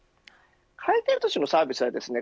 回転ずしのサービスはですね